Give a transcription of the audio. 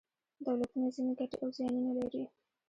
دولتونه ځینې ګټې او زیانونه لري.